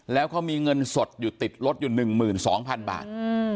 แล้วเขามีเงินสดอยู่ติดรถอยู่๑๒๐๐๐บาท